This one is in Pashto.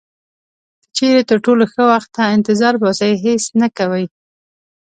که چیرې تر ټولو ښه وخت ته انتظار باسئ هیڅ نه کوئ.